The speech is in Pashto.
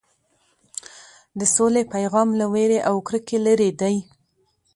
د سولې پیغام له وېرې او کرکې لرې دی.